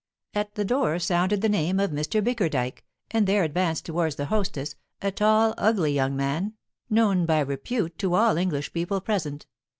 At the door sounded the name of "Mr. Biekerdike," and there advanced towards the hostess a tall, ugly young man, known by repute to all the English people present.